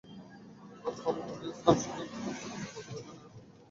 পরে নুরুল ইসলাম সুজন কারা কর্তৃপক্ষের প্রতিবেদনের ওপর লিখিত জবাব আদালতে দাখিল করেন।